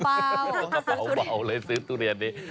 กระเป๋าเบาเลยซื้อทุเรียนนี้